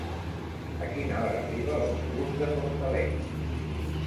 A quina hora arriba l'autobús de Fortaleny?